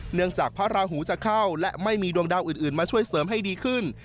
จากพระราหูจะเข้าและไม่มีดวงดาวอื่นมาช่วยเสริมให้ดีขึ้น